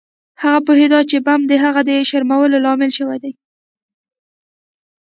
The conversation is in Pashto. هغه پوهیده چې بم د هغه د شرمولو لامل شوی دی